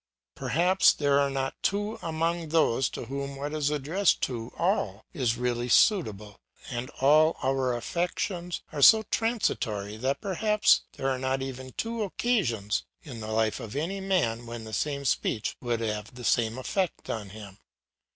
Perhaps there are not two among those to whom what is addressed to all is really suitable; and all our affections are so transitory that perhaps there are not even two occasions in the life of any man when the same speech would have the same effect on him.